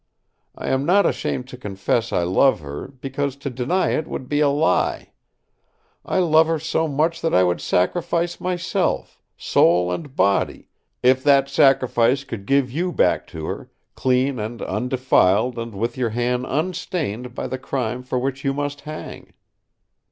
I am not ashamed to confess I love her, because to deny it would be a lie. I love her so much that I would sacrifice myself soul and body if that sacrifice could give you back to her, clean and undefiled and with your hand unstained by the crime for which you must hang!"